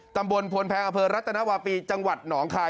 ตำบลพลแพงอเภอรัตนวาปีจังหวัดหนองคาย